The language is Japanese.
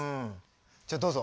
じゃあどうぞ。